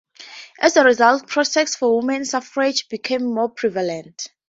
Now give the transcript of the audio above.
As a result, protests for women's suffrage became more prevalent.